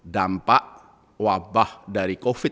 dampak wabah dari covid sembilan belas